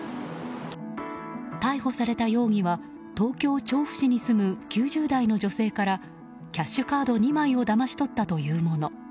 逮捕された容疑は東京・調布市に住む９０代の女性からキャッシュカード２枚をだまし取ったというもの。